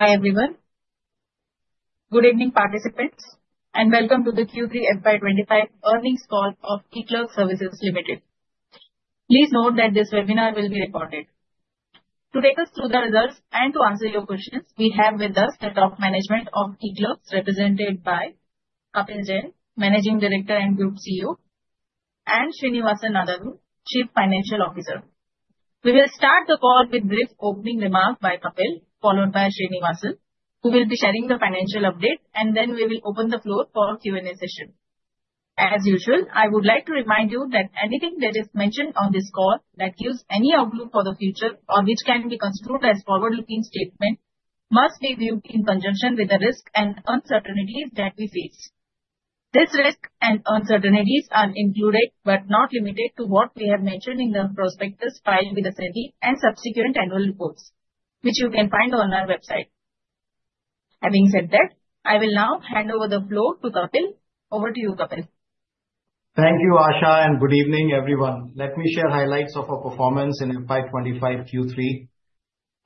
Hi everyone. Good evening, participants, and welcome to the Q3 FY25 Earnings Call of eClerx Services Limited. Please note that this webinar will be recorded. To take us through the results and to answer your questions, we have with us the top management of eClerx, represented by Kapil Jain, Managing Director and Group CEO, and Srinivasan Nadadhur, Chief Financial Officer. We will start the call with a brief opening remark by Kapil, followed by Srinivasan, who will be sharing the financial update, and then we will open the floor for a Q&A session. As usual, I would like to remind you that anything that is mentioned on this call that gives any outlook for the future or which can be construed as a forward-looking statement must be viewed in conjunction with the risks and uncertainties that we face. These risks and uncertainties are included but not limited to what we have mentioned in the prospectus filed with SEBI and subsequent annual reports, which you can find on our website. Having said that, I will now hand over the floor to Kapil. Over to you, Kapil. Thank you, Asha, and good evening, everyone. Let me share highlights of our performance in FY25 Q3.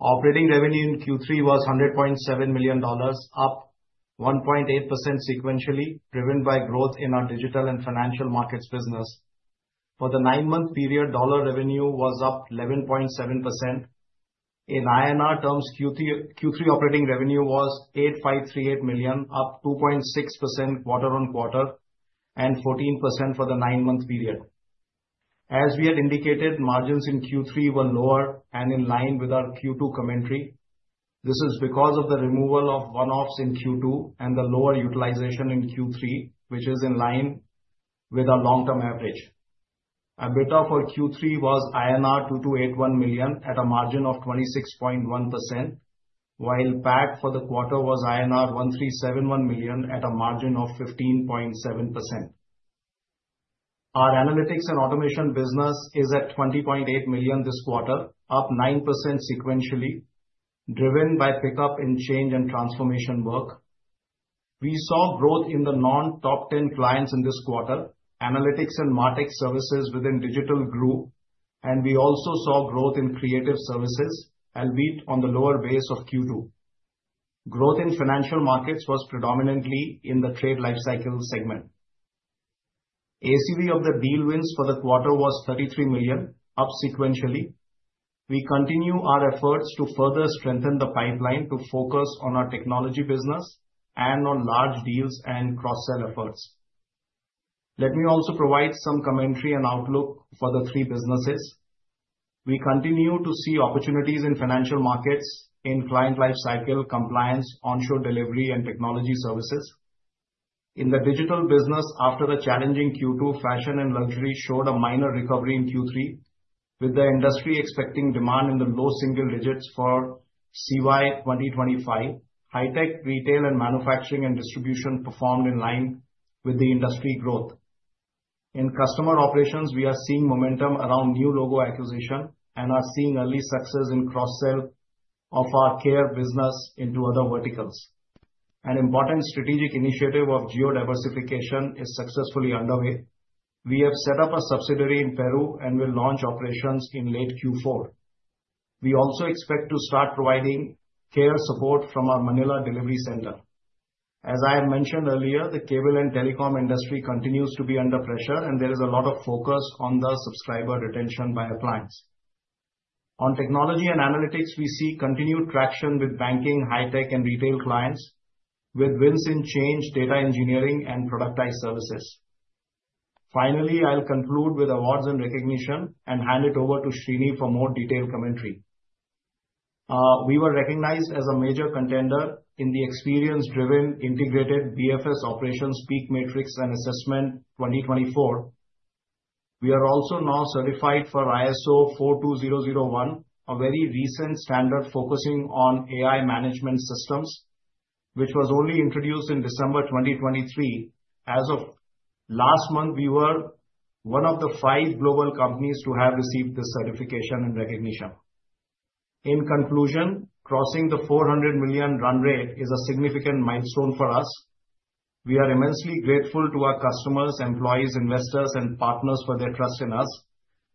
Operating revenue in Q3 was $100.7 million, up 1.8% sequentially, driven by growth in our digital and financial markets business. For the nine-month period, dollar revenue was up 11.7%. In INR terms, Q3 operating revenue was 8,538 million, up 2.6% quarter-on-quarter and 14% for the nine-month period. As we had indicated, margins in Q3 were lower and in line with our Q2 commentary. This is because of the removal of one-offs in Q2 and the lower utilization in Q3, which is in line with our long-term average. EBITDA for Q3 was INR 2,281 million at a margin of 26.1%, while PAT for the quarter was INR 1,371 million at a margin of 15.7%. Our Analytics and Automation business is at $20.8 million this quarter, up 9% sequentially, driven by pickup in change and transformation work. We saw growth in the non-top 10 clients in this quarter, analytics and martech services within digital group, and we also saw growth in creative services, albeit on the lower base of Q2. Growth in financial markets was predominantly in the trade lifecycle segment. ACV of the deal wins for the quarter was $33 million, up sequentially. We continue our efforts to further strengthen the pipeline to focus on our technology business and on large deals and cross-sell efforts. Let me also provide some commentary and outlook for the three businesses. We continue to see opportunities in financial markets, in client lifecycle, compliance, onshore delivery, and technology services. In the digital business, after the challenging Q2, fashion and luxury showed a minor recovery in Q3, with the industry expecting demand in the low single digits for CY 2025. High-tech retail and manufacturing and distribution performed in line with the industry growth. In customer operations, we are seeing momentum around new logo acquisition and are seeing early success in cross-sell of our care business into other verticals. An important strategic initiative of geo-diversification is successfully underway. We have set up a subsidiary in Peru and will launch operations in late Q4. We also expect to start providing care support from our Manila delivery center. As I have mentioned earlier, the cable and telecom industry continues to be under pressure, and there is a lot of focus on the subscriber retention by our clients. On technology and analytics, we see continued traction with banking, high-tech, and retail clients, with wins in change data engineering and productized services. Finally, I'll conclude with awards and recognition and hand it over to Srini for more detailed commentary. We were recognized as a major contender in the experience-driven integrated BFS operations PEAK Matrix and assessment 2024. We are also now certified for ISO 42001, a very recent standard focusing on AI management systems, which was only introduced in December 2023. As of last month, we were one of the five global companies to have received this certification and recognition. In conclusion, crossing the 400 million run rate is a significant milestone for us. We are immensely grateful to our customers, employees, investors, and partners for their trust in us,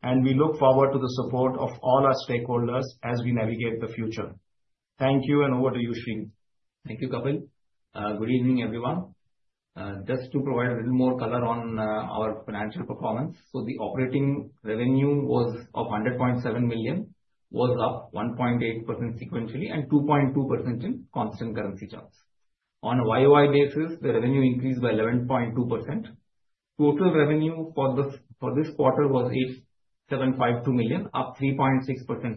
and we look forward to the support of all our stakeholders as we navigate the future. Thank you, and over to you, Srini. Thank you, Kapil. Good evening, everyone. Just to provide a little more color on our financial performance, so the operating revenue was $100.7 million, up 1.8% sequentially and 2.2% in constant currency terms. On a YOY basis, the revenue increased by 11.2%. Total revenue for this quarter was $87.52 million, up 3.6%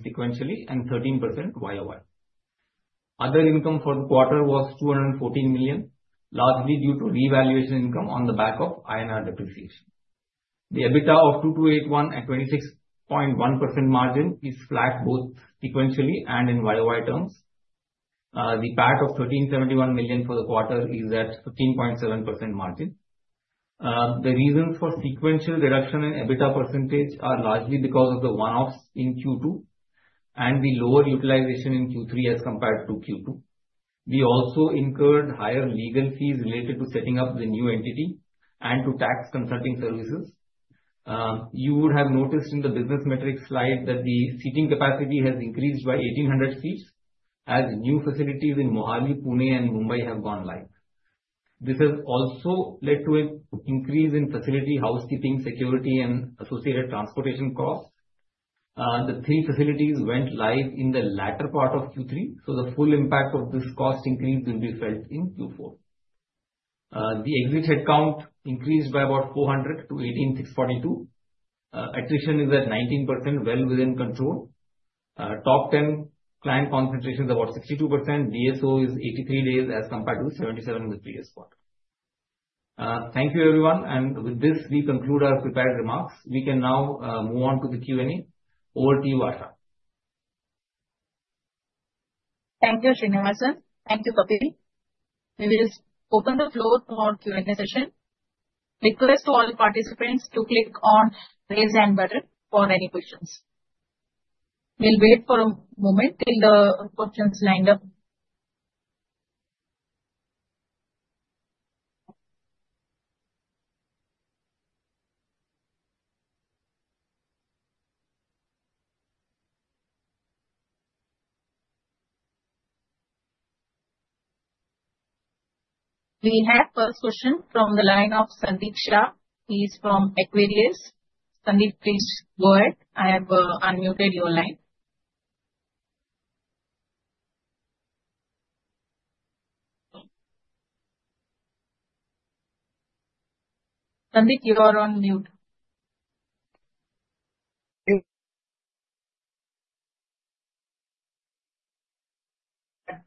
sequentially and 13% YOY. Other income for the quarter was $2.14 million, largely due to revaluation income on the back of INR depreciation. The EBITDA of $22.81 million at 26.1% margin is flat both sequentially and YOY. The PAT of $13.71 million for the quarter is at 15.7% margin. The reasons for sequential reduction in EBITDA percentage are largely because of the one-offs in Q2 and the lower utilization in Q3 as compared to Q2. We also incurred higher legal fees related to setting up the new entity and to tax consulting services. You would have noticed in the business metrics slide that the seating capacity has increased by 1,800 seats as new facilities in Mohali, Pune, and Mumbai have gone live. This has also led to an increase in facility housekeeping, security, and associated transportation costs. The three facilities went live in the latter part of Q3, so the full impact of this cost increase will be felt in Q4. The exit headcount increased by about 400 to 1,842. Attrition is at 19%, well within control. Top 10 client concentration is about 62%. DSO is 83 days as compared to 77 in the previous quarter. Thank you, everyone. And with this, we conclude our prepared remarks. We can now move on to the Q&A. Over to you, Asha. Thank you, Srinivasan. Thank you, Kapil. We will open the floor for a Q&A session. Request to all participants to click on the raise hand button for any questions. We'll wait for a moment till the questions line up. We have the first question from the line of Sandeep Shah. He is from Equirus Securities. Sandeep, please go ahead. I have unmuted your line. Sandeep, you are on mute.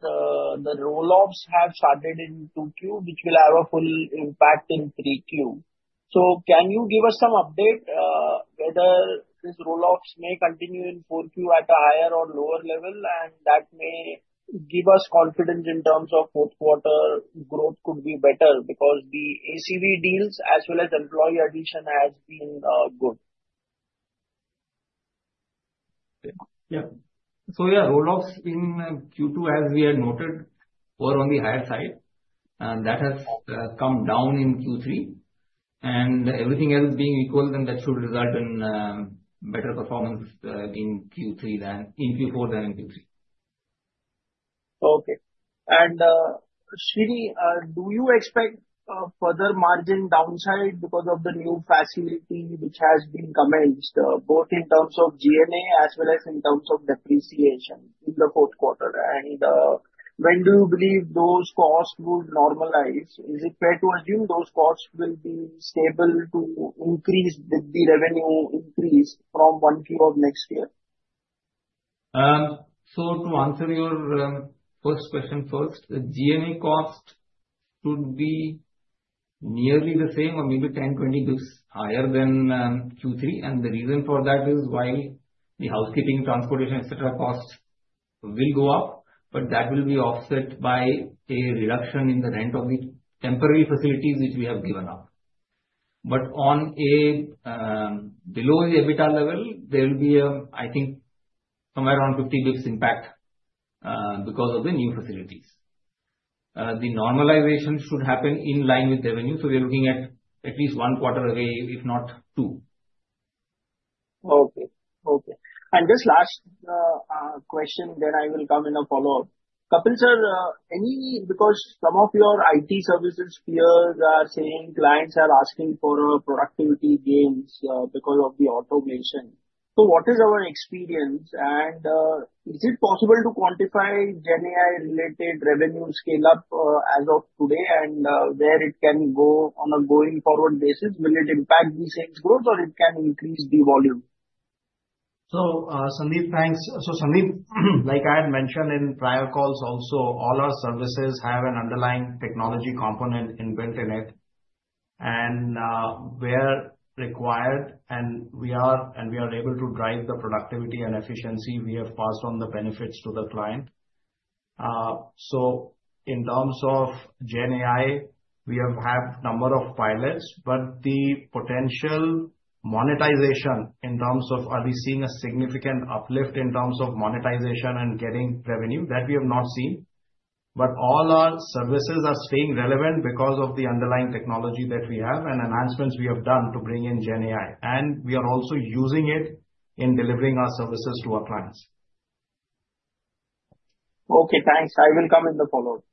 The roll-ups have started in Q2, which will have a full impact in Q3. So can you give us some update whether these roll-ups may continue in Q4 at a higher or lower level, and that may give us confidence in terms of Q4 growth could be better because the ACV deals as well as employee addition has been good? Yeah, so yeah, roll-ups in Q2, as we had noted, were on the higher side. That has come down in Q3, and everything else being equal, then that should result in better performance in Q4 than in Q3. Okay. And Srini, do you expect further margin downside because of the new facility which has been commenced, both in terms of G&A as well as in terms of depreciation in the Q4? And when do you believe those costs will normalize? Is it fair to assume those costs will be stable to increase with the revenue increase from Q1 of next year? To answer your first question first, the G&A cost should be nearly the same or maybe 10-20 basis points higher than Q3. And the reason for that is while the housekeeping, transportation, etc. costs will go up, but that will be offset by a reduction in the rent of the temporary facilities which we have given up. But on a below the EBITDA level, there will be, I think, somewhere around 50 basis points impact because of the new facilities. The normalization should happen in line with revenue. So we are looking at at least one quarter away, if not two. Okay, and just last question, then I will come in a follow-up. Kapil sir, because some of your IT services peers are saying clients are asking for productivity gains because of the automation. So what is our experience? And is it possible to quantify GenAI-related revenue scale-up as of today and where it can go on a going-forward basis? Will it impact the sales growth or it can increase the volume? So Sandeep, thanks. So Sandeep, like I had mentioned in prior calls also, all our services have an underlying technology component built in it. And where required, and we are able to drive the productivity and efficiency, we have passed on the benefits to the client. So in terms of GenAI, we have had a number of pilots, but the potential monetization in terms of are we seeing a significant uplift in terms of monetization and getting revenue, that we have not seen. But all our services are staying relevant because of the underlying technology that we have and enhancements we have done to bring in GenAI. And we are also using it in delivering our services to our clients. Okay. Thanks. I will come in the follow-up.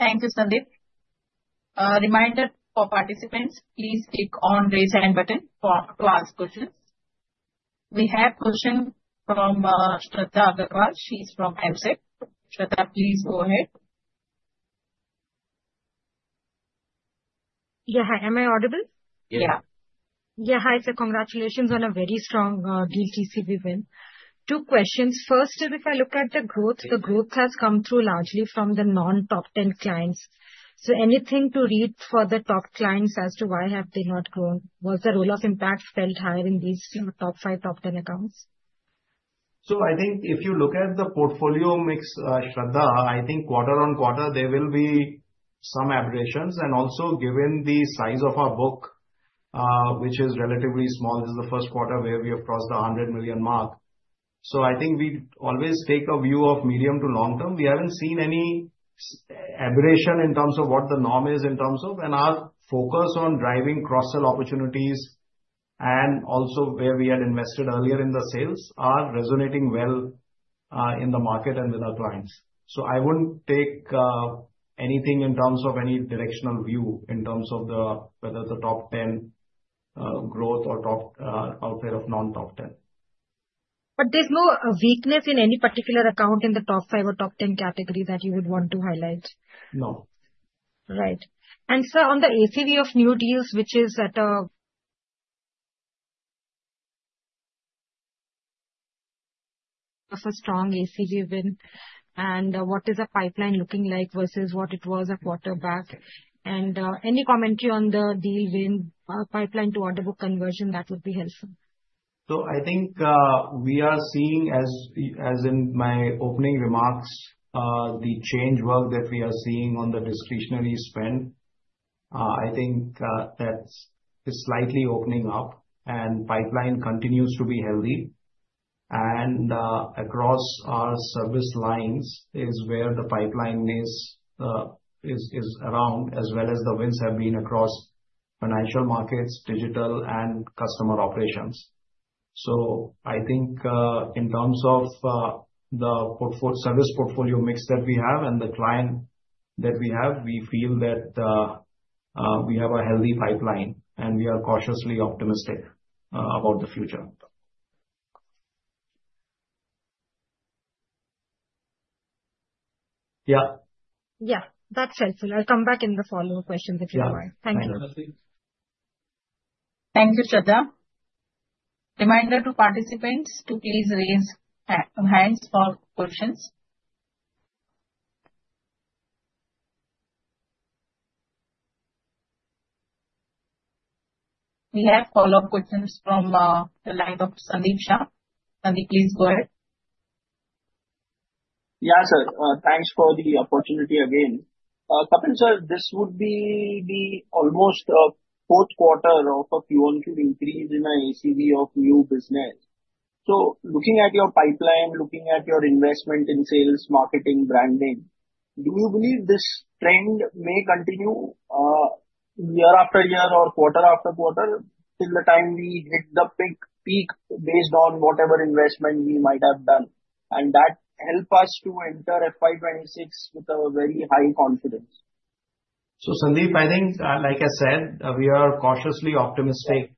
Thank you, Sandeep. Reminder for participants, please click on the raise hand button to ask questions. We have a question from Shradha Agarwal. She's from AMSEC. Shradha, please go ahead. Yeah. Am I audible? Yes. Yeah. Hi, sir. Congratulations on a very strong deal TCV win. Two questions. First is, if I look at the growth, the growth has come through largely from the non-top 10 clients. So anything to read for the top clients as to why have they not grown? Was the roll-up impact felt higher in these top five, top 10 accounts? So I think if you look at the portfolio mix, Shradha, I think quarter on quarter, there will be some aberrations. And also, given the size of our book, which is relatively small, this is the Q1 where we have crossed the $100 million mark. So I think we always take a view of medium to long term. We haven't seen any aberration in terms of what the norm is in terms of. And our focus on driving cross-sell opportunities and also where we had invested earlier in the sales are resonating well in the market and with our clients. So I wouldn't take anything in terms of any directional view in terms of whether the top 10 growth or upside of non-top 10. But there's no weakness in any particular account in the top five or top 10 category that you would want to highlight? No. Right. And sir, on the ACV of new deals, which is at a strong ACV win, and what is the pipeline looking like versus what it was a quarter back? And any commentary on the deal win, pipeline to order book conversion, that would be helpful. So I think we are seeing, as in my opening remarks, the change work that we are seeing on the discretionary spend. I think that it's slightly opening up, and pipeline continues to be healthy. And across our service lines is where the pipeline is around, as well as the wins have been across financial markets, digital, and customer operations. So I think in terms of the service portfolio mix that we have and the client that we have, we feel that we have a healthy pipeline, and we are cautiously optimistic about the future. Yeah. Yeah. That's helpful. I'll come back in the follow-up questions if you want. Thank you. Thank you. Thank you, Shradha. Reminder to participants to please raise hands for questions. We have follow-up questions from the line of Sandeep Shah. Sandeep, please go ahead. Yeah, sir. Thanks for the opportunity again. Kapil sir, this would be almost a Q4 of a QQ1 increase in the ACV of new business. So looking at your pipeline, looking at your investment in sales, marketing, branding, do you believe this trend may continue year after year or quarter after quarter till the time we hit the peak based on whatever investment we might have done? And that helps us to enter FY26 with a very high confidence. So Sandeep, I think, like I said, we are cautiously optimistic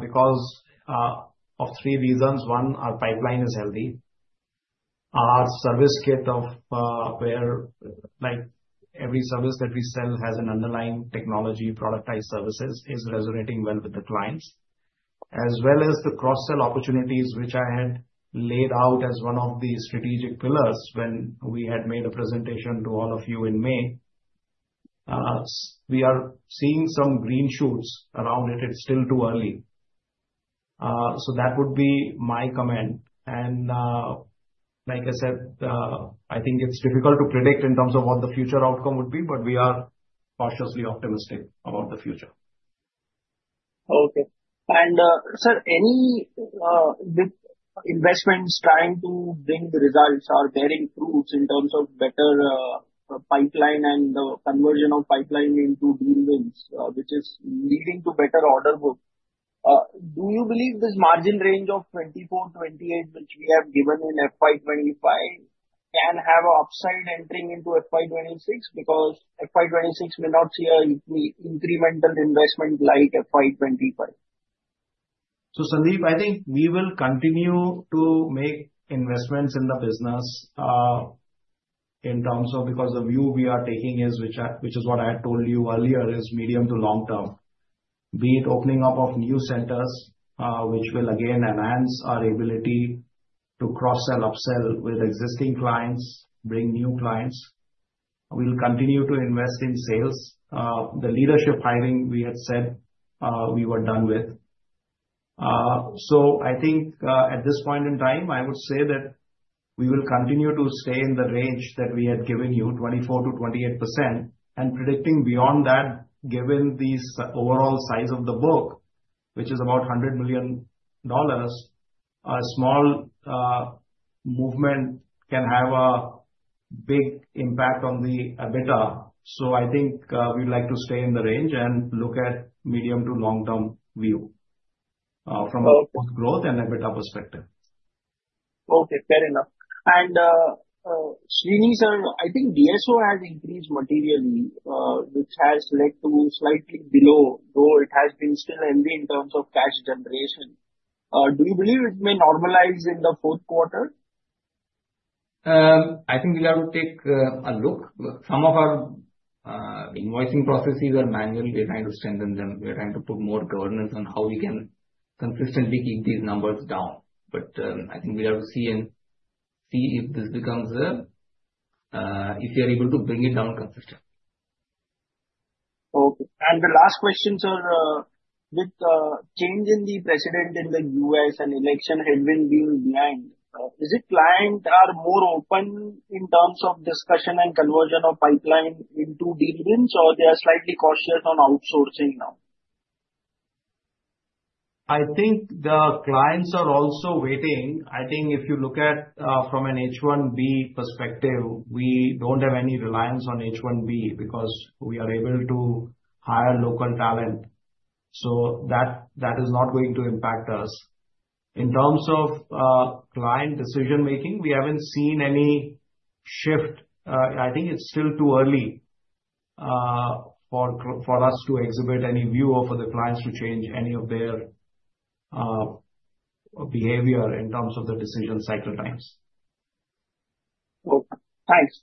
because of three reasons. One, our pipeline is healthy. Our service kit, where every service that we sell has an underlying technology, productized services is resonating well with the clients. As well as the cross-sell opportunities, which I had laid out as one of the strategic pillars when we had made a presentation to all of you in May, we are seeing some green shoots around it. It's still too early. So that would be my comment. And like I said, I think it's difficult to predict in terms of what the future outcome would be, but we are cautiously optimistic about the future. Okay. And sir, any investments trying to bring the results are bearing fruits in terms of better pipeline and the conversion of pipeline into deal wins, which is leading to better order book. Do you believe this margin range of 24%-28%, which we have given in FY25, can have an upside entering into FY26 because FY26 may not see an incremental investment like FY25? Sandeep, I think we will continue to make investments in the business in terms of because the view we are taking is, which is what I had told you earlier, is medium to long term, be it opening up of new centers, which will again enhance our ability to cross-sell, upsell with existing clients, bring new clients. We'll continue to invest in sales. The leadership hiring, we had said we were done with. I think at this point in time, I would say that we will continue to stay in the range that we had given you, 24%-28%. And predicting beyond that, given the overall size of the book, which is about $100 million, a small movement can have a big impact on the EBITDA. So I think we'd like to stay in the range and look at medium to long-term view from a growth and EBITDA perspective. Okay. Fair enough. And Srini sir, I think DSO has increased materially, which has led to slightly below, though it has been still heavy in terms of cash generation. Do you believe it may normalize in the Q4? I think we'll have to take a look. Some of our invoicing processes are manual. We're trying to strengthen them. We're trying to put more governance on how we can consistently keep these numbers down. But I think we'll have to see if we are able to bring it down consistently. Okay. And the last question, sir, with the change in the president in the U.S. and election headwind being behind, is it client are more open in terms of discussion and conversion of pipeline into deal wins, or they are slightly cautious on outsourcing now? I think the clients are also waiting. I think if you look at from an H-1B perspective, we don't have any reliance on H-1B because we are able to hire local talent. So that is not going to impact us. In terms of client decision-making, we haven't seen any shift. I think it's still too early for us to exhibit any view or for the clients to change any of their behavior in terms of the decision cycle times. Okay. Thanks.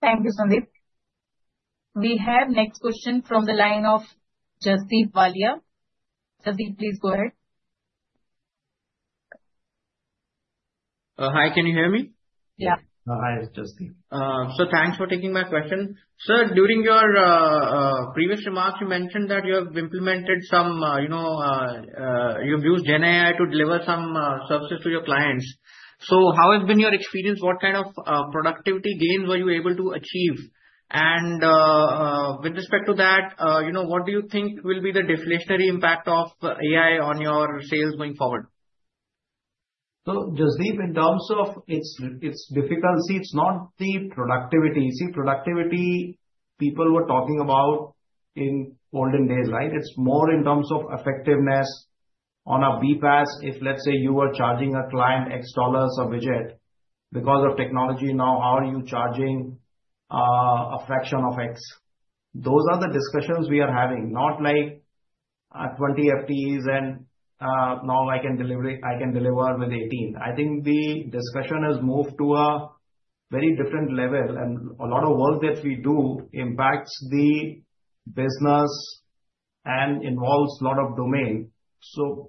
Thank you, Sandeep. We have next question from the line of Jasdeep Walia. Jasdeep, please go ahead. Hi. Can you hear me? Yeah. Hi, Jasdeep. Thanks for taking my question. Sir, during your previous remarks, you mentioned that you have used GenAI to deliver some services to your clients. How has your experience been? What kind of productivity gains were you able to achieve? And with respect to that, what do you think will be the deflationary impact of AI on your sales going forward? Jasdeep, in terms of its difficulty, it's not the productivity. See, productivity, people were talking about in olden days, right? It's more in terms of effectiveness on a BPaaS. If, let's say, you were charging a client X dollars a widget because of technology, now how are you charging a fraction of X? Those are the discussions we are having, not like 20 FTEs and now I can deliver with 18. I think the discussion has moved to a very different level. A lot of work that we do impacts the business and involves a lot of domain.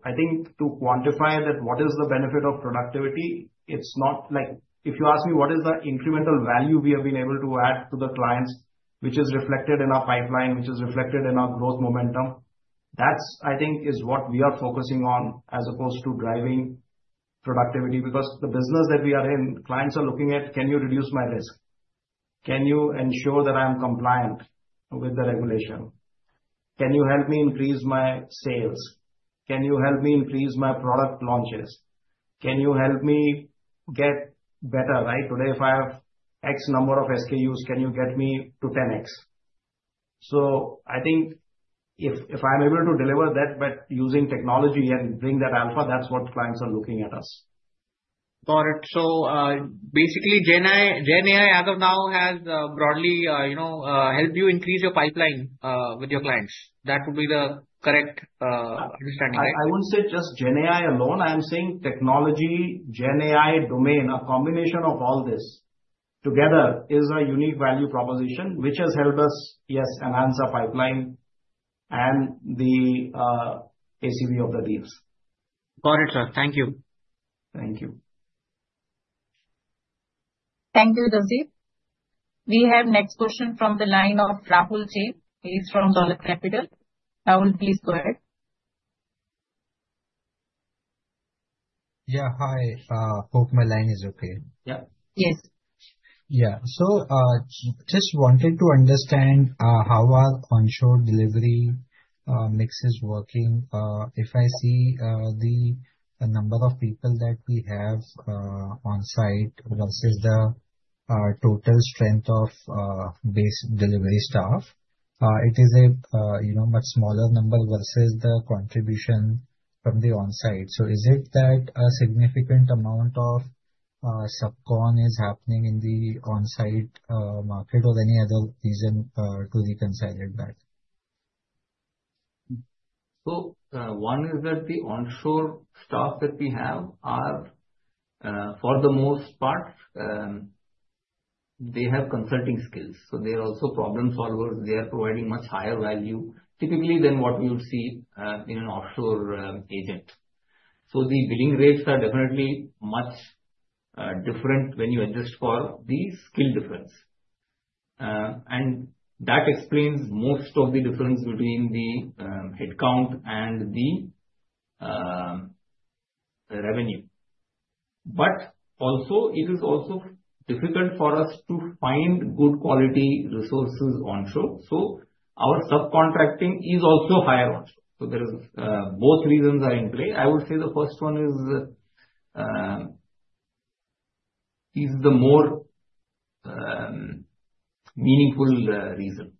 I think to quantify that, what is the benefit of productivity? It's not like if you ask me what is the incremental value we have been able to add to the clients, which is reflected in our pipeline, which is reflected in our growth momentum, that's, I think, is what we are focusing on as opposed to driving productivity. Because the business that we are in, clients are looking at, can you reduce my risk? Can you ensure that I am compliant with the regulation? Can you help me increase my sales? Can you help me increase my product launches? Can you help me get better, right? Today, if I have X number of SKUs, can you get me to 10X? So I think if I'm able to deliver that but using technology and bring that alpha, that's what clients are looking at us. Got it. So basically, GenAI as of now has broadly helped you increase your pipeline with your clients. That would be the correct understanding, right? I wouldn't say just GenAI alone. I am saying technology, GenAI domain, a combination of all this together is a unique value proposition, which has helped us, yes, enhance our pipeline and the ACV of the deals. Got it, sir. Thank you. Thank you. Thank you, Jasdeep. We have next question from the line of Rahul Jain. He's from Dolat Capital. Rahul, please go ahead. Yeah. Hi. Hope my line is okay. Yeah. Yes. Yeah. So just wanted to understand how our onshore delivery mix is working. If I see the number of people that we have on-site versus the total strength of base delivery staff, it is a much smaller number versus the contribution from the on-site. So is it that a significant amount of subcon is happening in the on-site market or any other reason to reconcile it back? So one is that the onshore staff that we have, for the most part, they have consulting skills. So they are also problem solvers. They are providing much higher value, typically than what we would see in an offshore agent. So the billing rates are definitely much different when you adjust for the skill difference. And that explains most of the difference between the headcount and the revenue. But also, it is also difficult for us to find good quality resources onshore. So our subcontracting is also higher onshore. So both reasons are in play. I would say the first one is the more meaningful reason.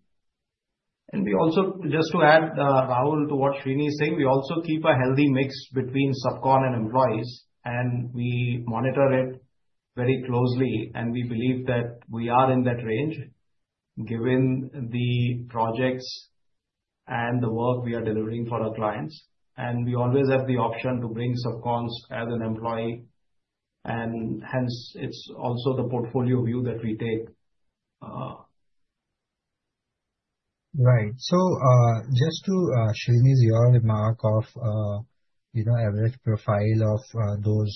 And we also, just to add, Rahul, to what Srini is saying, we also keep a healthy mix between subcon and employees, and we monitor it very closely. And we believe that we are in that range given the projects and the work we are delivering for our clients. And we always have the option to bring subcons as an employee. And hence, it's also the portfolio view that we take. Right, so just to Srini's earlier remark of average profile of those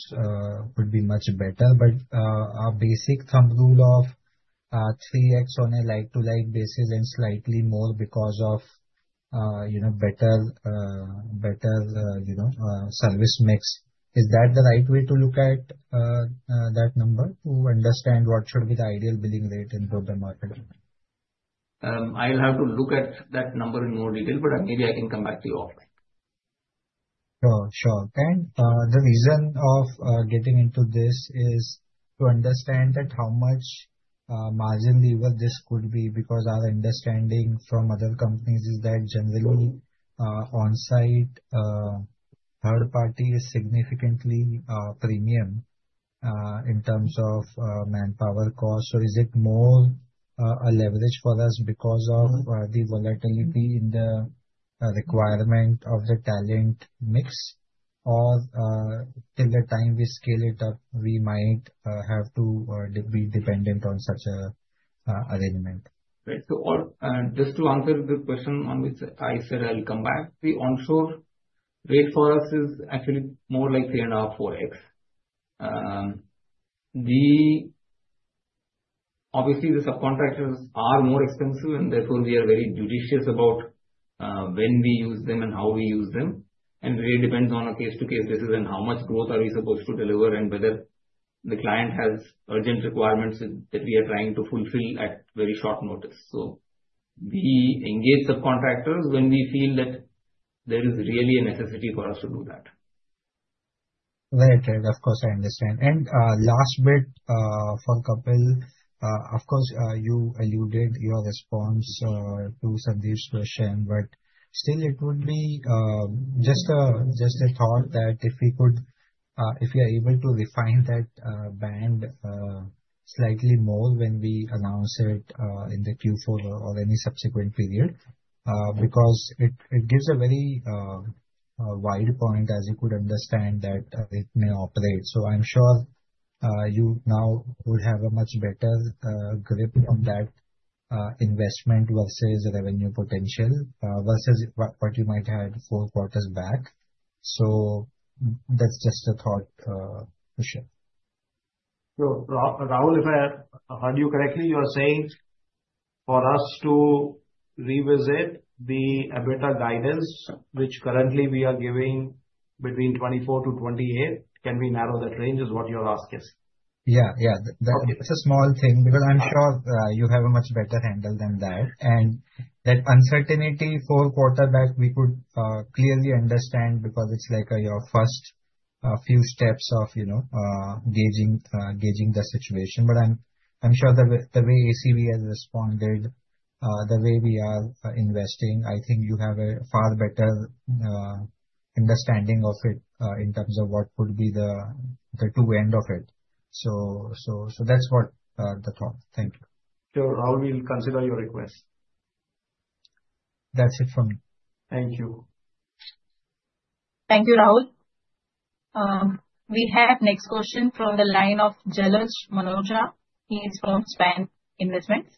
would be much better. But our basic rule of thumb of 3X on a like-for-like basis and slightly more because of better service mix, is that the right way to look at that number to understand what should be the ideal billing rate in the market? I'll have to look at that number in more detail, but maybe I can come back to you offline. Sure. Sure. And the reason of getting into this is to understand that how much margin leverage this could be because our understanding from other companies is that generally on-site third party is significantly premium in terms of manpower costs. So is it more a leverage for us because of the volatility in the requirement of the talent mix, or till the time we scale it up, we might have to be dependent on such an arrangement? Right. So just to answer the question on which I said I'll come back, the onshore rate for us is actually more like 3.5-4X. Obviously, the subcontractors are more expensive, and therefore we are very judicious about when we use them and how we use them. And it really depends on a case-to-case decision, how much growth are we supposed to deliver, and whether the client has urgent requirements that we are trying to fulfill at very short notice. So we engage subcontractors when we feel that there is really a necessity for us to do that. Right. Right. Of course, I understand. And last bit for Kapil, of course, you alluded your response to Sandeep's question, but still, it would be just a thought that if we could, if we are able to refine that band slightly more when we announce it in the Q4 or any subsequent period, because it gives a very wide point as you could understand that it may operate. So I'm sure you now would have a much better grip on that investment versus revenue potential versus what you might had four quarters back. So that's just a thought for sure. So Rahul, if I heard you correctly, you are saying for us to revisit the EBITDA guidance, which currently we are giving between 24% to 28%, can we narrow that range is what you're asking? Yeah. Yeah. That's a small thing because I'm sure you have a much better handle than that. And that uncertainty four quarters back, we could clearly understand because it's like your first few steps of gauging the situation. But I'm sure the way ACV has responded, the way we are investing, I think you have a far better understanding of it in terms of what would be the true end of it. So that's the thought. Thank you. Sure. Rahul, we'll consider your request. That's it from me. Thank you. Thank you, Rahul. We have next question from the line of Jalaj Manocha. He's from Svan Investment.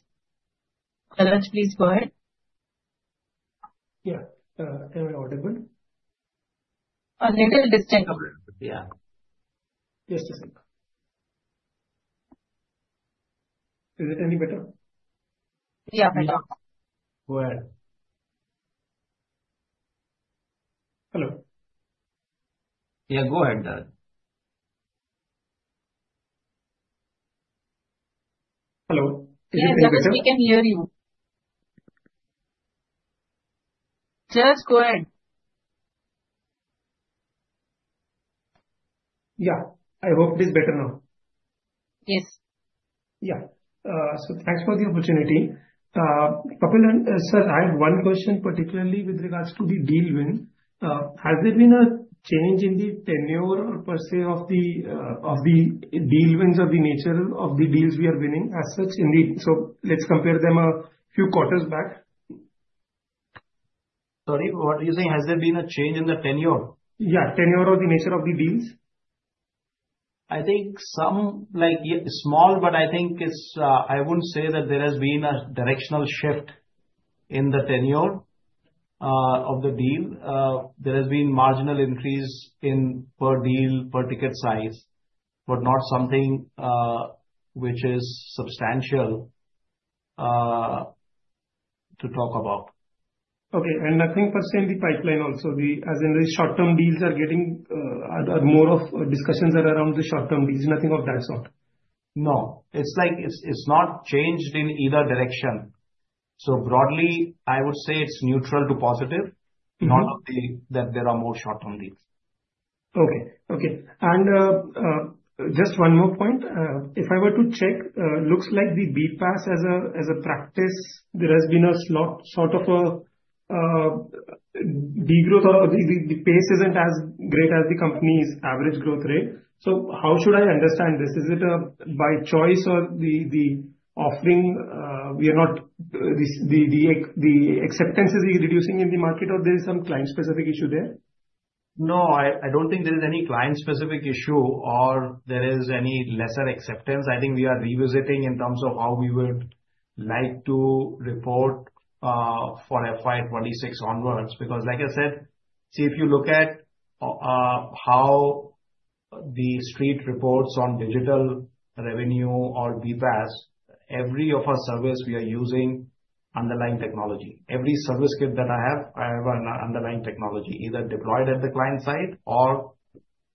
Jalaj, please go ahead. Yeah. Am I audible? A little distant. Yeah. Yes. Is it any better? Yeah. Better. Go ahead. Hello. Yeah. Go ahead, Jalaj. Hello. Is it better? Yes. We can hear you. Jalaj, go ahead. Yeah. I hope it is better now. Yes. Yeah. So thanks for the opportunity. Kapil and sir, I have one question particularly with regards to the deal win. Has there been a change in the tenure or per se of the deal wins or the nature of the deals we are winning as such? Indeed. So let's compare them a few quarters back. Sorry. What are you saying? Has there been a change in the tenure? Yeah. Tenure or the nature of the deals? I think some small, but I think I wouldn't say that there has been a directional shift in the tenure of the deal. There has been marginal increase in per deal, per ticket size, but not something which is substantial to talk about. Okay. And nothing per se in the pipeline also, as in the short-term deals are getting more of discussions are around the short-term deals, nothing of that sort? No. It's not changed in either direction. So broadly, I would say it's neutral to positive, not that there are more short-term deals. Okay. Okay. And just one more point. If I were to check, looks like the BPaaS as a practice, there has been a sort of a degrowth or the pace isn't as great as the company's average growth rate. So how should I understand this? Is it by choice or the offering? The acceptance is reducing in the market, or there is some client-specific issue there? No. I don't think there is any client-specific issue or there is any lesser acceptance. I think we are revisiting in terms of how we would like to report for FY26 onwards. Because like I said, see, if you look at how the street reports on digital revenue or BPaaS, every of our service, we are using underlying technology. Every service kit that I have, I have an underlying technology, either deployed at the client site or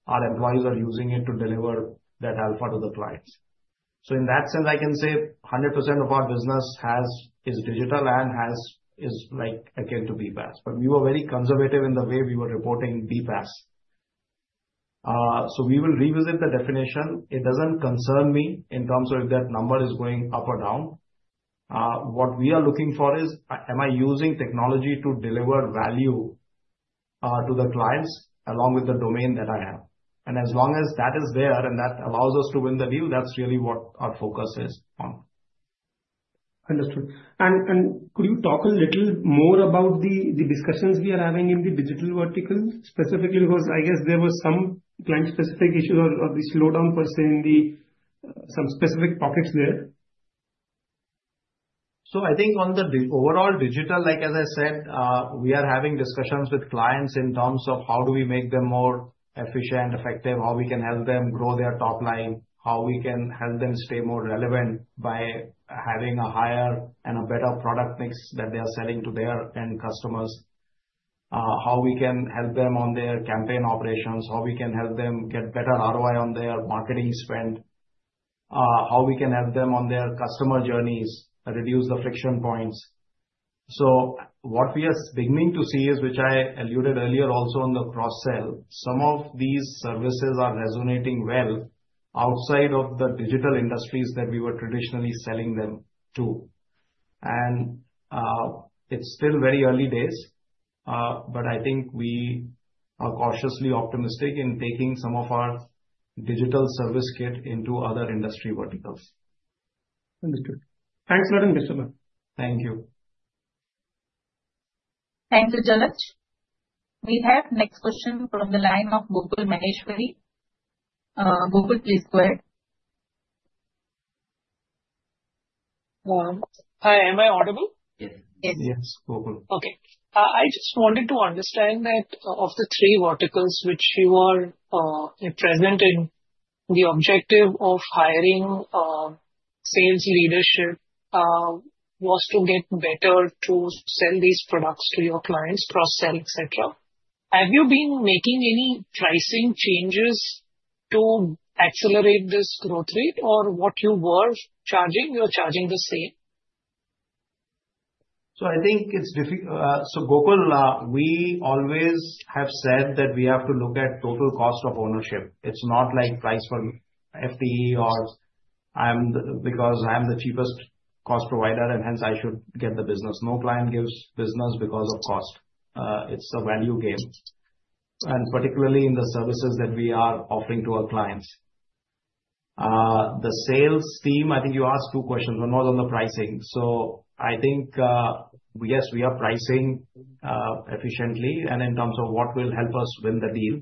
our employees are using it to deliver that alpha to the clients. So in that sense, I can say 100% of our business is digital and is akin to BPaaS. But we were very conservative in the way we were reporting BPaaS. So we will revisit the definition. It doesn't concern me in terms of if that number is going up or down. What we are looking for is, am I using technology to deliver value to the clients along with the domain that I have? And as long as that is there and that allows us to win the deal, that's really what our focus is on. Understood. And could you talk a little more about the discussions we are having in the digital vertical specifically? Because I guess there were some client-specific issues or the slowdown per se in some specific pockets there. So, I think on the overall digital, like as I said, we are having discussions with clients in terms of how do we make them more efficient, effective, how we can help them grow their top line, how we can help them stay more relevant by having a higher and a better product mix that they are selling to their end customers, how we can help them on their campaign operations, how we can help them get better ROI on their marketing spend, how we can help them on their customer journeys, reduce the friction points. So, what we are beginning to see is, which I alluded earlier also on the cross-sell, some of these services are resonating well outside of the digital industries that we were traditionally selling them to. It's still very early days, but I think we are cautiously optimistic in taking some of our digital service kit into other industry verticals. Understood. Thanks, Madam Asha. Thank you. Thank you, Jalaj. We have next question from the line of Gokul Maheshwari. Gokul, please go ahead. Hi. Am I audible? Yes. Yes. Gokul. Okay. I just wanted to understand that of the three verticals which you are present in, the objective of hiring sales leadership was to get better to sell these products to your clients, cross-sell, etc. Have you been making any pricing changes to accelerate this growth rate or what you were charging, you are charging the same? So, I think it's so, Gokul. We always have said that we have to look at total cost of ownership. It's not like price for FTE or because I'm the cheapest cost provider and hence I should get the business. No client gives business because of cost. It's a value game. And particularly in the services that we are offering to our clients. The sales team, I think you asked two questions. One was on the pricing. So, I think, yes, we are pricing efficiently and in terms of what will help us win the deal.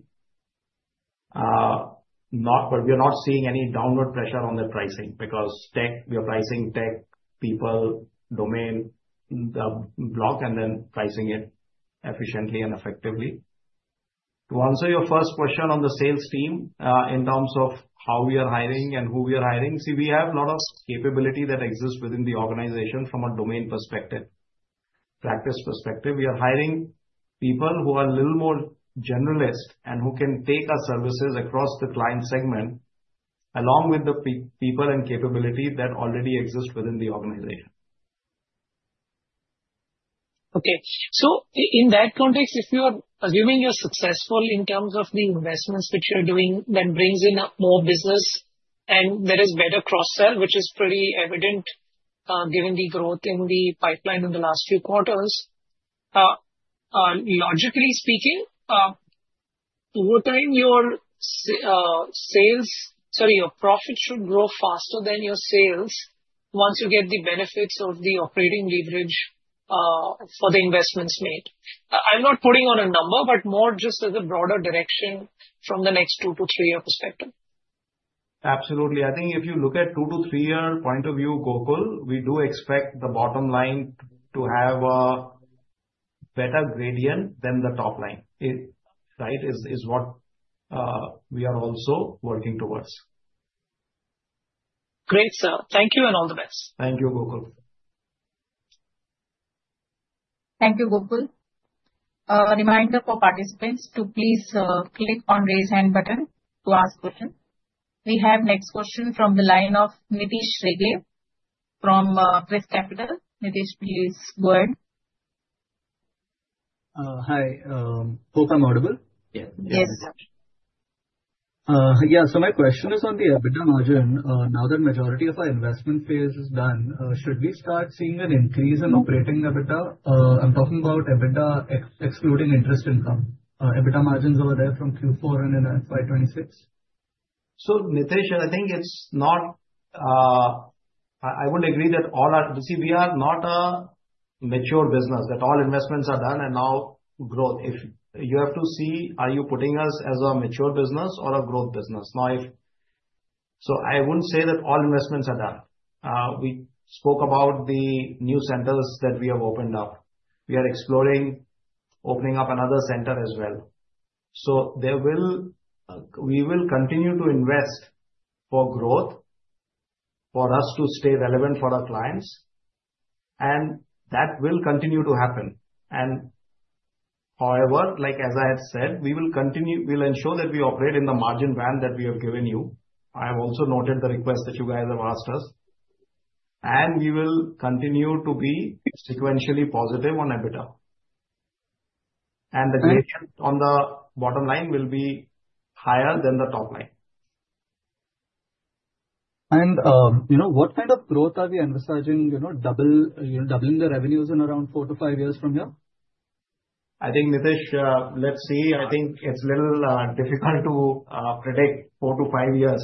But we are not seeing any downward pressure on the pricing because tech, we are pricing tech, people, domain, the block, and then pricing it efficiently and effectively. To answer your first question on the sales team in terms of how we are hiring and who we are hiring, see, we have a lot of capability that exists within the organization from a domain perspective, practice perspective. We are hiring people who are a little more generalist and who can take our services across the client segment along with the people and capability that already exist within the organization. Okay. So in that context, if you are assuming you're successful in terms of the investments which you're doing that brings in more business and there is better cross-sell, which is pretty evident given the growth in the pipeline in the last few quarters, logically speaking, over time, your sales sorry, your profit should grow faster than your sales once you get the benefits of the operating leverage for the investments made. I'm not putting on a number, but more just as a broader direction from the next two- to three-year perspective. Absolutely. I think if you look at two- to three-year point of view, Gokul, we do expect the bottom line to have a better gradient than the top line, right, is what we are also working towards. Great, sir. Thank you and all the best. Thank you, Gokul. Thank you, Gokul. Reminder for participants to please click on raise hand button to ask questions. We have next question from the line of Nitish Rege from ChrysCapital. Nitish, please go ahead. Hi. Hope I'm audible? Yes. Yeah. So my question is on the EBITDA margin. Now that majority of our investment phase is done, should we start seeing an increase in operating EBITDA? I'm talking about EBITDA excluding interest income. EBITDA margins over there from Q4 and in FY26? So, Nitish, I think it's not. I would agree that all, you see, we are not a mature business that all investments are done and now growth. You have to see, are you putting us as a mature business or a growth business. Now, if so, I wouldn't say that all investments are done. We spoke about the new centers that we have opened up. We are exploring opening up another center as well. So we will continue to invest for growth for us to stay relevant for our clients. And that will continue to happen. And, however, as I had said, we will ensure that we operate in the margin band that we have given you. I have also noted the request that you guys have asked us. And we will continue to be sequentially positive on EBITDA. The gradient on the bottom line will be higher than the top line. What kind of growth are we envisioning, doubling the revenues in around four to five years from here? I think, Nitish, let's see. I think it's a little difficult to predict four to five years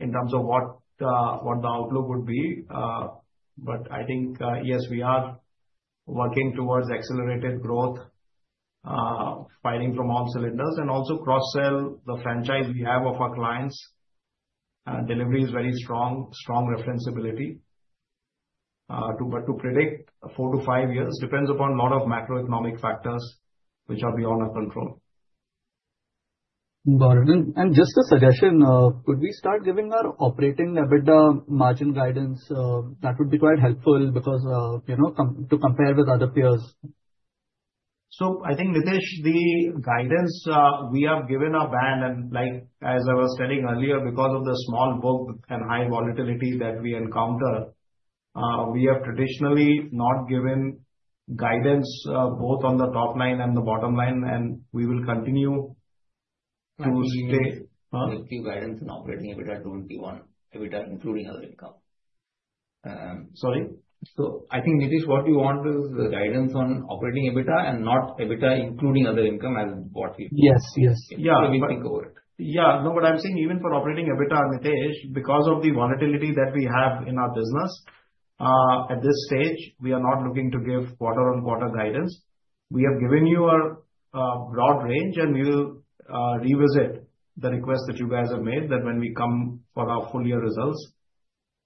in terms of what the outlook would be. But I think, yes, we are working towards accelerated growth, firing from all cylinders. And also cross-sell, the franchise we have of our clients, delivery is very strong, strong reference ability. But to predict four to five years depends upon a lot of macroeconomic factors which are beyond our control. Got it. And just a suggestion, could we start giving our operating EBITDA margin guidance? That would be quite helpful because to compare with other peers. I think, Nitish, the guidance we have given a band, and as I was telling earlier, because of the small book and high volatility that we encounter, we have traditionally not given guidance both on the top line and the bottom line. We will continue to stay. So if you give guidance on operating EBITDA, don't give on EBITDA including other income. Sorry? So I think, Nitish, what you want is the guidance on operating EBITDA and not EBITDA including other income as what you. Yes. Yes. Yeah. No, but I'm saying even for operating EBITDA, Nitish, because of the volatility that we have in our business, at this stage, we are not looking to give quarter-on-quarter guidance. We have given you a broad range, and we will revisit the request that you guys have made that when we come for our full-year results,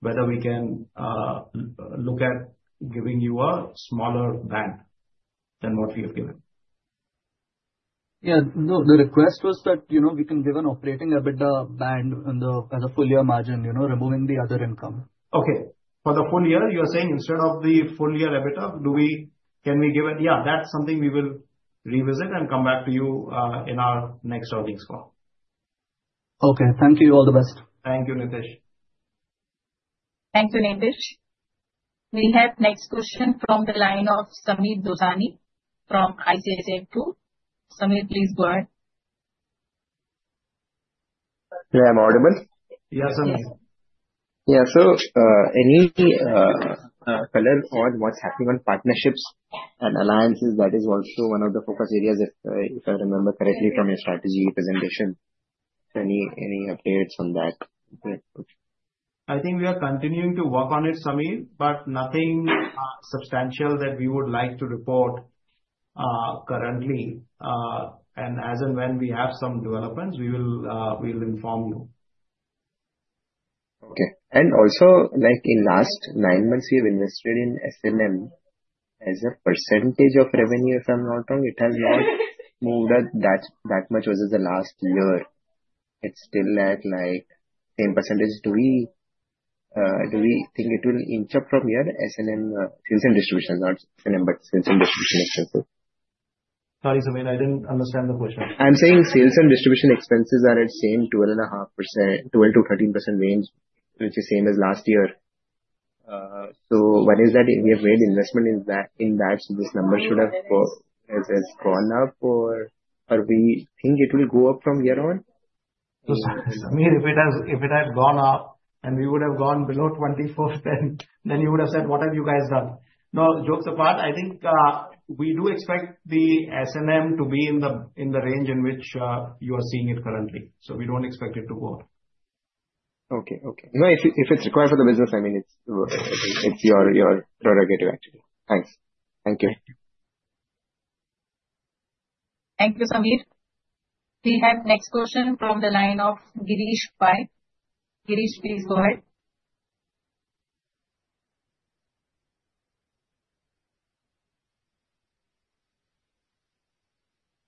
whether we can look at giving you a smaller band than what we have given. Yeah. No, the request was that we can give an operating EBITDA band as a full-year margin, removing the other income. Okay. For the full year, you are saying instead of the full-year EBITDA, can we give it? Yeah. That's something we will revisit and come back to you in our next earnings call. Okay. Thank you. All the best. Thank you, Nitish. Thank you, Nitish. We have next question from the line of Sameer Dosani from ICICI. Sameer, please go ahead. Yeah. I'm audible? Yes, Sameer. Yeah. So any color on what's happening on partnerships and alliances? That is also one of the focus areas, if I remember correctly from your strategy presentation. Any updates on that? I think we are continuing to work on it, Sameer, but nothing substantial that we would like to report currently, and as and when we have some developments, we will inform you. Okay. And also, in last nine months, we have invested in S&M as a percentage of revenue, if I'm not wrong. It has not moved that much versus the last year. It's still at same percentage. Do we think it will inch up from here? S&M, sales and distribution, not S&M, but sales and distribution expenses. Sorry, Sameer. I didn't understand the question. I'm saying sales and distribution expenses are at same 12.5%, 12%-13% range, which is same as last year. So what is that? We have made investment in that, so this number should have gone up, or we think it will go up from here on? Sameer, if it had gone up and we would have gone below 24, then you would have said, "What have you guys done?" No, jokes apart. I think we do expect the S&M to be in the range in which you are seeing it currently. So we don't expect it to go up. Okay. Okay. No, if it's required for the business, I mean, it's your prerogative, actually. Thanks. Thank you. Thank you. Thank you, Sameer. We have next question from the line of Girish Pai. Girish, please go ahead.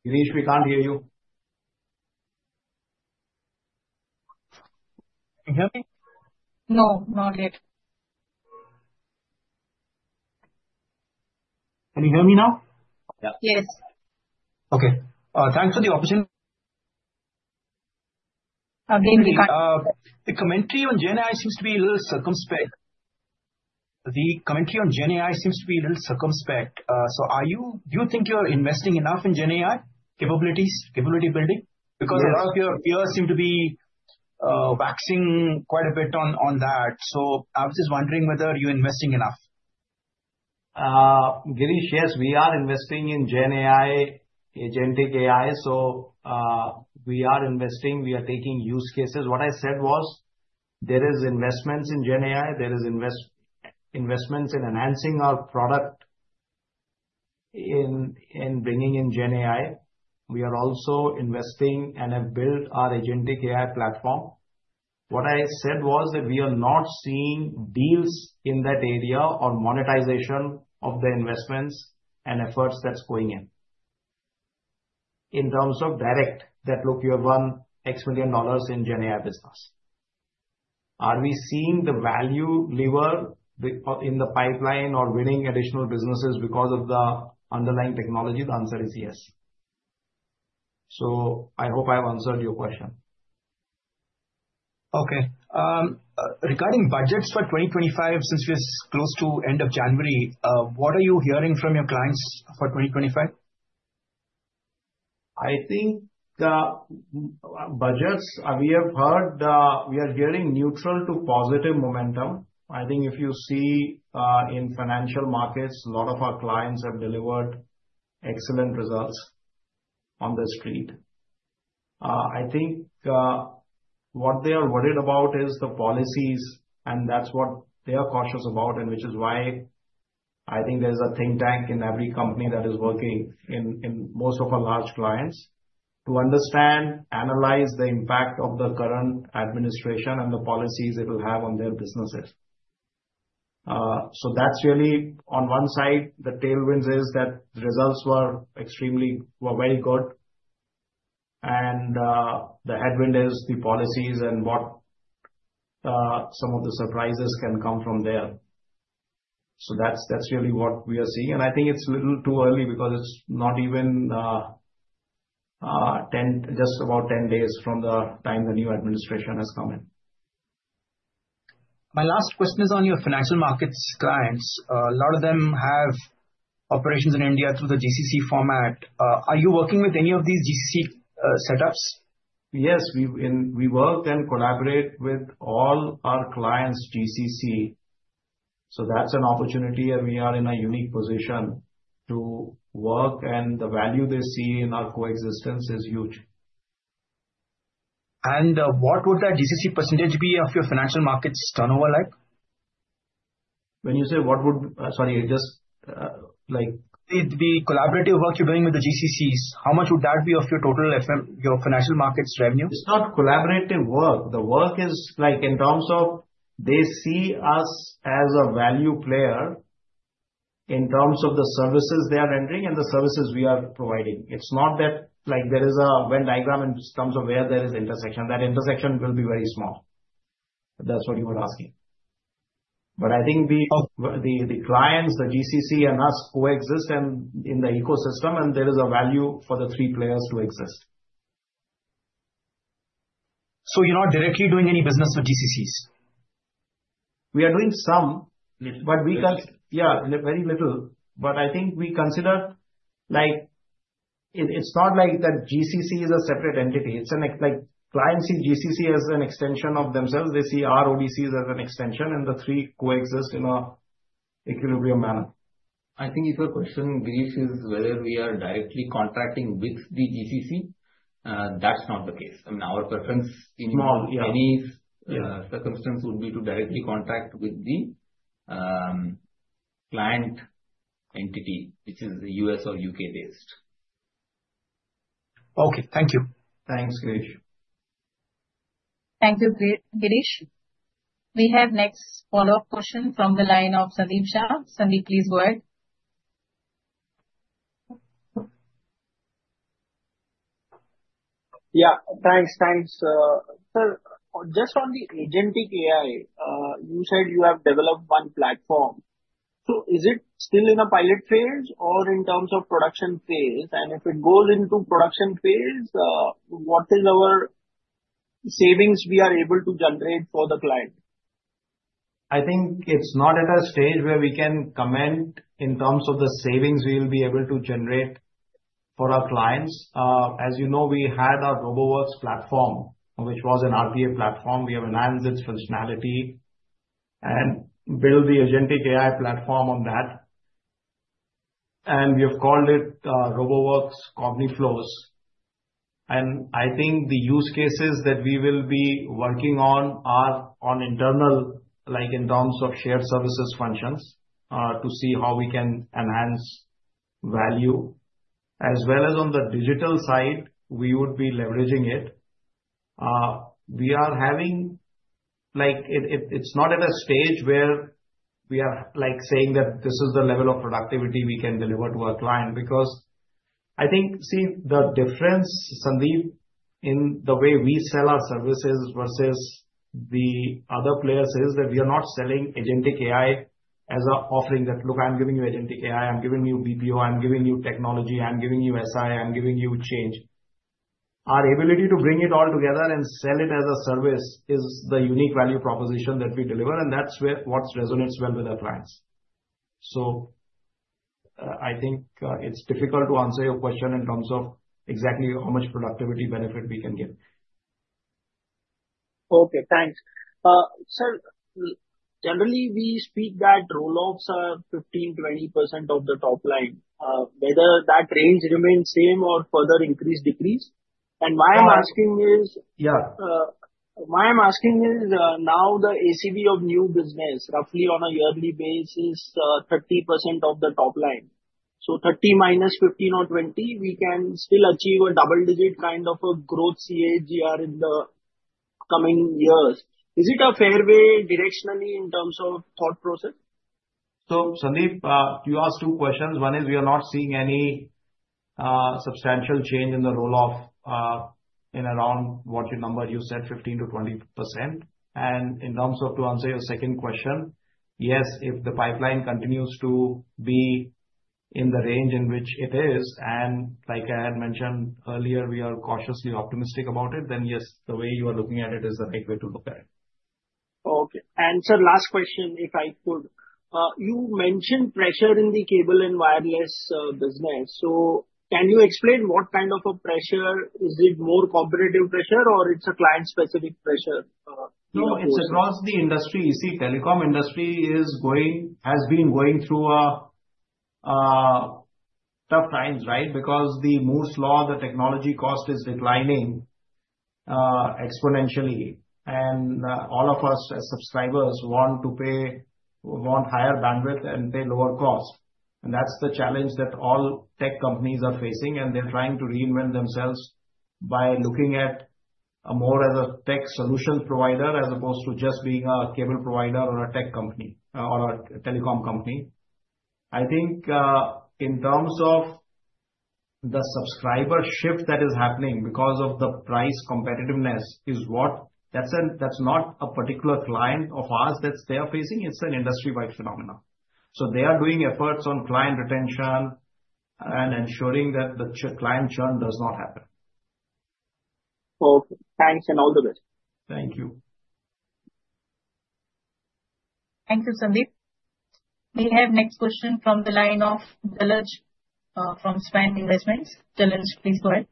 Girish, we can't hear you. Can you hear me? No, not yet. Can you hear me now? Yes. Okay. Thanks for the opportunity. Again, we can't. The commentary on GenAI seems to be a little circumspect. So do you think you're investing enough in GenAI capabilities, capability building? Because a lot of your peers seem to be waxing quite a bit on that. So I was just wondering whether you're investing enough. Girish, yes, we are investing in GenAI, agentic AI. So we are investing. We are taking use cases. What I said was there is investments in GenAI. There is investments in enhancing our product and bringing in GenAI. We are also investing and have built our agentic AI platform. What I said was that we are not seeing deals in that area or monetization of the investments and efforts that's going in. In terms of direct, that look, you have won X million dollars in GenAI business. Are we seeing the value lever in the pipeline or winning additional businesses because of the underlying technology? The answer is yes. So I hope I've answered your question. Okay. Regarding budgets for 2025, since we are close to end of January, what are you hearing from your clients for 2025? I think the budgets we have heard, we are hearing neutral to positive momentum. I think if you see in financial markets, a lot of our clients have delivered excellent results on the street. I think what they are worried about is the policies, and that's what they are cautious about, and which is why I think there is a think tank in every company that is working in most of our large clients to understand, analyze the impact of the current administration and the policies it will have on their businesses, so that's really on one side, the tailwinds is that the results were extremely very good, and the headwind is the policies and what some of the surprises can come from there, so that's really what we are seeing. I think it's a little too early because it's not even just about 10 days from the time the new administration has come in. My last question is on your financial markets clients. A lot of them have operations in India through the GCC format. Are you working with any of these GCC setups? Yes. We work and collaborate with all our clients' GCC. So that's an opportunity, and we are in a unique position to work, and the value they see in our coexistence is huge. What would that GCC percentage be of your financial markets turnover like? When you say what would, sorry, just like. The collaborative work you're doing with the GCCs, how much would that be of your total financial markets revenue? It's not collaborative work. The work is in terms of they see us as a value player in terms of the services they are rendering and the services we are providing. It's not that there is a Venn diagram in terms of where there is intersection. That intersection will be very small. That's what you were asking. But I think the clients, the GCC, and us coexist in the ecosystem, and there is a value for the three players to exist. So you're not directly doing any business with GCCs? We are doing some, but we, yeah, very little, but I think we consider it's not like that GCC is a separate entity. Clients see GCC as an extension of themselves. They see our ODCs as an extension, and the three coexist in an equilibrium manner. I think if your question, Girish, is whether we are directly contracting with the GCC, that's not the case. I mean, our preference in any circumstance would be to directly contract with the client entity, which is US or UK based. Okay. Thank you. Thanks, Girish. Thank you, Girish. We have next follow-up question from the line of Sandeep Shah. Sandeep, please go ahead. Yeah. Thanks. Thanks. Sir, just on the Agentic AI, you said you have developed one platform. So is it still in a pilot phase or in terms of production phase? And if it goes into production phase, what is our savings we are able to generate for the client? I think it's not at a stage where we can comment in terms of the savings we will be able to generate for our clients. As you know, we had our Roboworx platform, which was an RPA platform. We have enhanced its functionality and built the agentic AI platform on that. And we have called it Roboworx CogniFlows. And I think the use cases that we will be working on are on internal, in terms of shared services functions, to see how we can enhance value. As well as on the digital side, we would be leveraging it. It's not at a stage where we are saying that this is the level of productivity we can deliver to our client. Because I think, see, the difference, Sandeep, in the way we sell our services versus the other players is that we are not selling agentic AI as an offering that, "Look, I'm giving you agentic AI. I'm giving you BPO. I'm giving you technology. I'm giving you SI. I'm giving you change." Our ability to bring it all together and sell it as a service is the unique value proposition that we deliver. And that's what resonates well with our clients. So I think it's difficult to answer your question in terms of exactly how much productivity benefit we can give. Okay. Thanks. Sir, generally, we speak that rollouts are 15%-20% of the top line. Whether that range remains same or further increase, decrease. And why I'm asking is now the ACV of new business, roughly on a yearly basis, 30% of the top line. So 30 minus 15 or 20, we can still achieve a double-digit kind of a growth CAGR in the coming years. Is it a fair way directionally in terms of thought process? So, Sandeep, to your two questions, one is we are not seeing any substantial change in the rollout in around what you numbered, you said, 15%-20%. And in terms of to answer your second question, yes, if the pipeline continues to be in the range in which it is, and like I had mentioned earlier, we are cautiously optimistic about it, then yes, the way you are looking at it is the right way to look at it. Okay, and sir, last question, if I could. You mentioned pressure in the cable and wireless business, so can you explain what kind of a pressure? Is it more competitive pressure, or it's a client-specific pressure? No, it's across the industry. You see, telecom industry has been going through tough times, right? Because the Moore's Law, the technology cost is declining exponentially. And all of us, as subscribers, want to pay higher bandwidth and pay lower cost. And that's the challenge that all tech companies are facing. And they're trying to reinvent themselves by looking at more as a tech solution provider as opposed to just being a cable provider or a tech company or a telecom company. I think in terms of the subscriber shift that is happening because of the price competitiveness is what that's not a particular client of ours that they are facing. It's an industry-wide phenomenon. So they are doing efforts on client retention and ensuring that the client churn does not happen. Okay. Thanks and all the best. Thank you. Thank you, Sandeep. We have next question from the line of Jalaj from Svan Investments. Jalaj, please go ahead.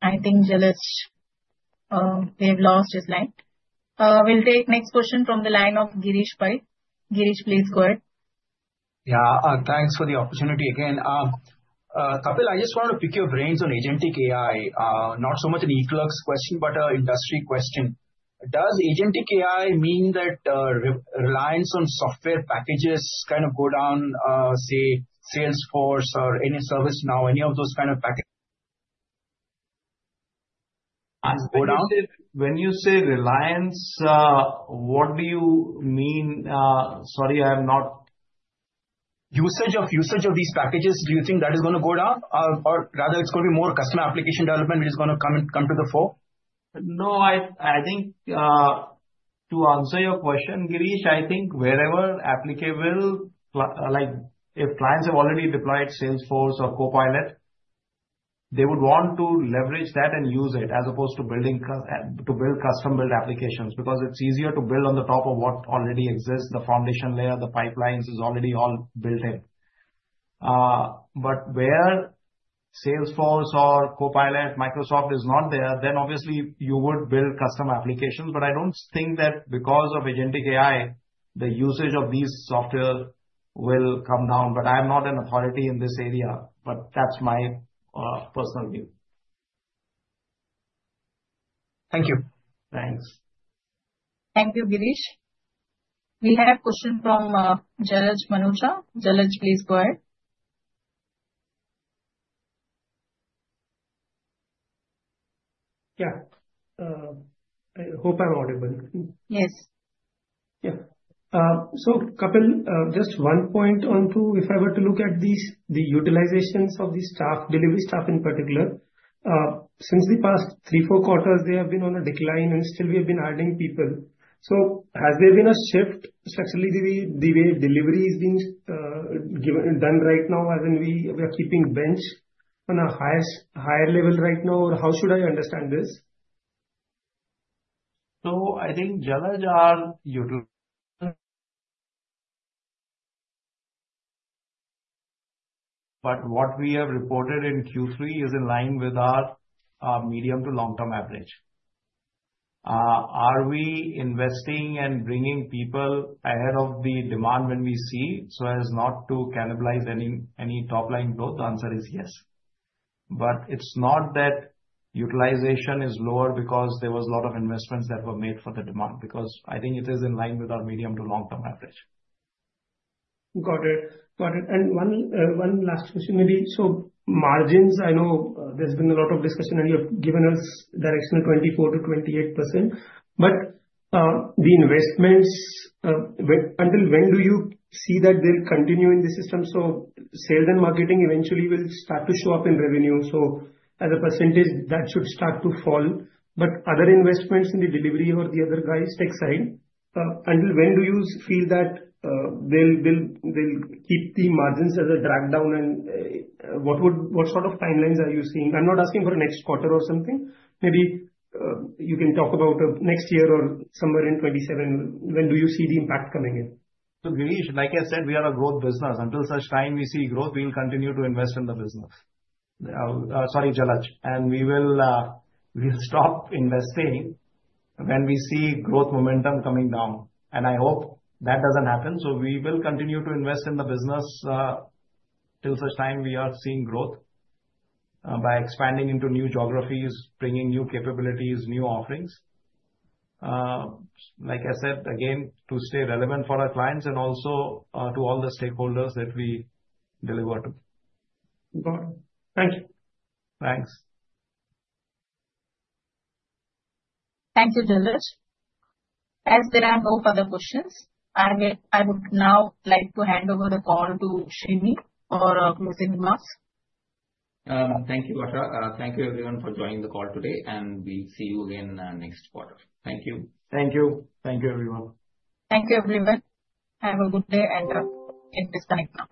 I think Jalaj, we have lost his line. We'll take next question from the line of Girish Pai. Girish, please go ahead. Yeah. Thanks for the opportunity again. Kapil, I just wanted to pick your brains on agentic AI, not so much an eClerx question, but an industry question. Does agentic AI mean that reliance on software packages kind of go down, say, Salesforce or any ServiceNow, any of those kind of packages? When you say reliance, what do you mean? Sorry, I am not. Usage of these packages, do you think that is going to go down? Or rather, it's going to be more customer application development which is going to come to the before? No, I think to answer your question, Girish, I think wherever applicable, if clients have already deployed Salesforce or Copilot, they would want to leverage that and use it as opposed to build custom-built applications because it's easier to build on the top of what already exists. The foundation layer, the pipelines is already all built in. But where Salesforce or Copilot, Microsoft is not there, then obviously you would build custom applications. But I don't think that because of agentic AI, the usage of these software will come down. But I'm not an authority in this area, but that's my personal view. Thank you. Thanks. Thank you, Girish. We have a question from Jalaj Manocha. Jalaj, please go ahead. Yeah. I hope I'm audible. Yes. Yeah. So, Kapil, just one point onto if I were to look at the utilizations of the delivery staff in particular, since the past three, four quarters, they have been on a decline, and still we have been adding people. So has there been a shift structurally the way delivery is being done right now as in we are keeping bench on a higher level right now? Or how should I understand this? So I think, Jalaj, utilization, but what we have reported in Q3 is in line with our medium to long-term average. Are we investing and bringing people ahead of the demand when we see so as not to cannibalize any top-line growth? The answer is yes. But it's not that utilization is lower because there was a lot of investments that were made for the demand. Because I think it is in line with our medium to long-term average. Got it. Got it. And one last question, maybe. So margins, I know there's been a lot of discussion, and you have given us directional 24%-28%. But the investments, until when do you see that they'll continue in the system? So sales and marketing eventually will start to show up in revenue. So as a percentage, that should start to fall. But other investments in the delivery or the other guys, tech side, until when do you feel that they'll keep the margins as a drag down? And what sort of timelines are you seeing? I'm not asking for next quarter or something. Maybe you can talk about next year or somewhere in 2027. When do you see the impact coming in? Like I said, we are a growth business. Until such time we see growth, we'll continue to invest in the business. Sorry, Jalaj. And we will stop investing when we see growth momentum coming down. And I hope that doesn't happen. So we will continue to invest in the business till such time we are seeing growth by expanding into new geographies, bringing new capabilities, new offerings. Like I said, again, to stay relevant for our clients and also to all the stakeholders that we deliver to. Got it. Thank you. Thanks. Thank you, Jalaj. As there are no further questions, I would now like to hand over the call to Srini for closing remarks. Thank you. Thank you, everyone, for joining the call today. And we'll see you again next quarter. Thank you. Thank you. Thank you, everyone. Thank you, everyone. Have a good day and disconnect now.